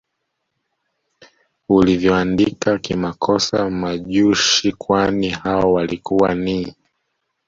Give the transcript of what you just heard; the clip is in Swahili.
ulivyoandika kimakosa Majushi kwani hao walikuwa ni